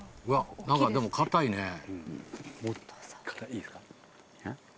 いいですか？